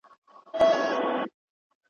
نه طبیب نه عزراییل مو خواته راغی ,